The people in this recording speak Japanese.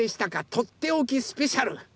「とっておきスペシャル」。